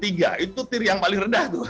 itu tiri yang paling rendah tuh